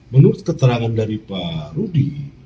menurut keterangan dari pak rudi